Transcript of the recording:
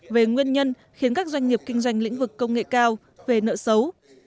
về nguyên nhân khiến các doanh nghiệp kinh doanh lĩnh vực công nghệ cao về nợ xấu